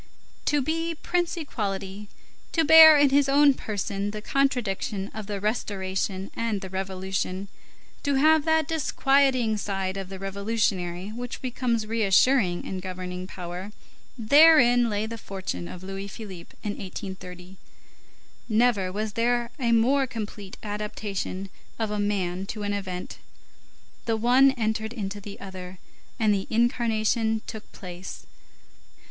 To be Prince Equality, to bear in his own person the contradiction of the Restoration and the Revolution, to have that disquieting side of the revolutionary which becomes reassuring in governing power, therein lay the fortune of Louis Philippe in 1830; never was there a more complete adaptation of a man to an event; the one entered into the other, and the incarnation took place.